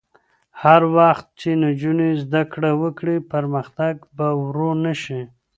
هر وخت چې نجونې زده کړه وکړي، پرمختګ به ورو نه شي.